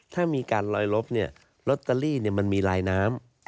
ถ้ามีการลอยลบลอตเตอรี่มันมีลายน้ำ